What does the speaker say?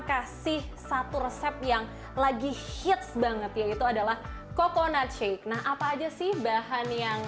kasih satu resep yang lagi hits banget yaitu adalah coconut shake nah apa aja sih bahan yang